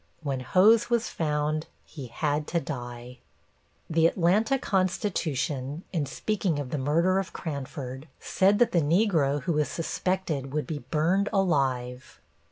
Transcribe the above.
When Hose was found he had to die. The Atlanta Constitution, in speaking of the murder of Cranford, said that the Negro who was suspected would be burned alive.